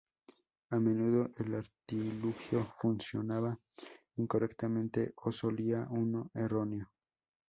A menudo el artilugio funcionaba incorrectamente o salía uno erróneo.